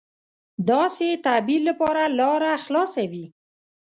داسې تعبیر لپاره لاره خلاصه وي.